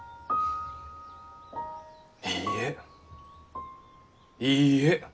いいえいいえ！